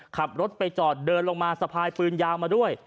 ขับรถไปจอดเดินลงมาสะพายปืนยาวมาด้วย